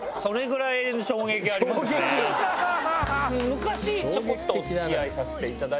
昔ちょこっとお付き合いさせていただいて。